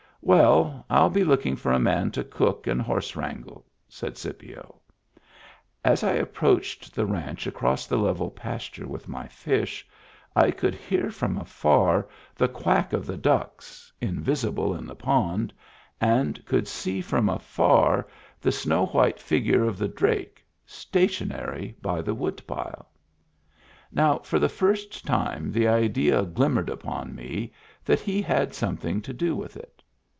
" Well, I'll be looking for a man to cook and horse wrangle," said Scipio. As I approached the ranch across the level pasture with my fish, I could hear from afar the quack of the ducks, invisible in the pond, and Digitized by Google THE DRAKE WHO HAD MEANS OF HIS OWN 291 could see from afar the snow white figure of the drake, stationary by the woodpile. Now for the first time the idea glimmered upon me that he had something to do with it.